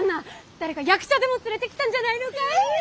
誰か役者でも連れてきたんじゃないのかい？